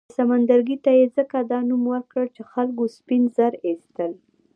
دې سمندرګي ته یې ځکه دا نوم ورکړ چې خلکو سپین زر اېستل.